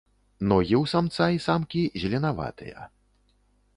Ногі ў самца і самкі зеленаватыя.